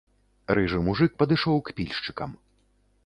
Рыжы мужык падышоў к пільшчыкам.